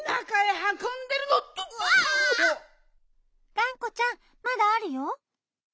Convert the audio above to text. がんこちゃんまだあるよ。